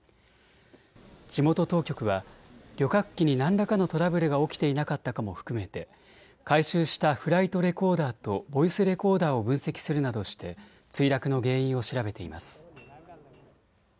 地元当局は旅客機に何らかのトラブルが起きていなかったかも含めて回収したフライトレコーダーとボイスレコーダーを分析するなどして墜落の原因を調べています。